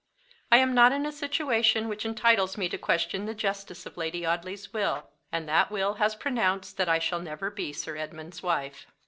I am not in a situation which entitles me to question the justice of Lady Audley's will; and that will has pronounced that I shall never be Sir Edmund's wife.